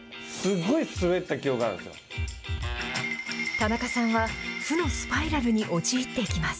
田中さんは、負のスパイラルに陥っていきます。